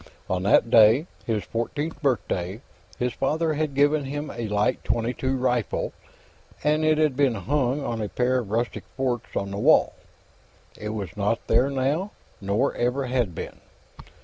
On that day, his fourteenth birthday, his father had given him a light .22 rifle, and it had been hung on a pair of rustic forks on the wall. It was not there now, nor ever had been.